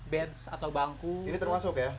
bench atau bangku ini termasuk ya